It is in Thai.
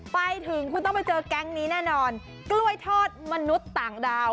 ไปถึงคุณต้องไปเจอแก๊งนี้แน่นอนกล้วยทอดมนุษย์ต่างดาว